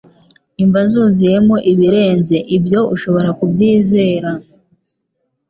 imva zuzuyemo ibirenze ibyo ushobora kubyizera